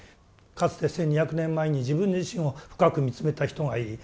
かつて１２００年前に自分自身を深く見つめた人がいる。